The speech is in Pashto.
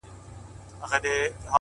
تندي ته مي سجدې راځي چي یاد کړمه جانان-